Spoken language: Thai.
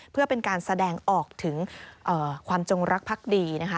เพื่อเป็นการแสดงออกถึงความจงรักพักดีนะคะ